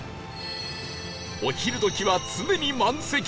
お昼時は常に満席